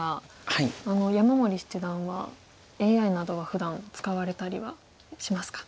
山森七段はＡＩなどはふだん使われたりはしますか。